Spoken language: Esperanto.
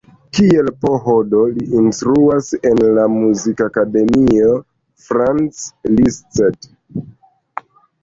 Kiel PhD li instruas en la Muzikakademio Franz Liszt.